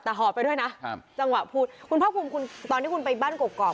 แต่หอบไปด้วยนะครับจังหวะพูดคุณภาคภูมิคุณตอนที่คุณไปบ้านกรอก